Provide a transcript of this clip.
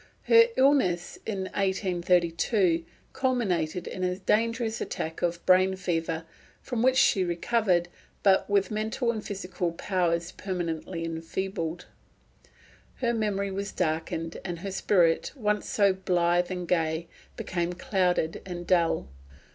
Her illness in 1832 culminated in a dangerous attack of brain fever, from which she recovered, but with mental and physical powers permanently enfeebled. Her memory was darkened, and her spirits, once so blithe and gay, became clouded and dull.